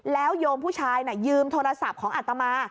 แล้วโยมผู้ชายยืมโทรศัพท์ของอัตมา